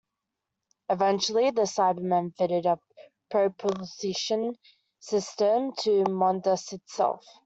Eventually, the Cybermen fitted a propulsion system to Mondas itself.